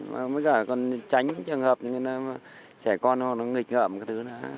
mới cả còn tránh trường hợp như trẻ con họ nó nghịch ngợm cái thứ đó